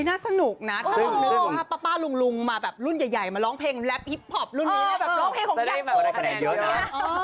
น่าสนุกนะถ้าลองนึกว่าป้าลุงมาแบบรุ่นใหญ่มาร้องเพลงแรปฮิปพอปรุ่นนี้แล้วแบบร้องเพลงของเรา